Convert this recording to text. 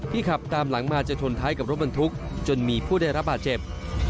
ขับตามหลังมาจะชนท้ายกับรถบรรทุกจนมีผู้ได้รับบาดเจ็บ